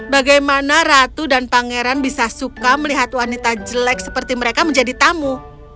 bagaimana ratu dan pangeran bisa suka melihat wanita jelek seperti mereka menjadi tamu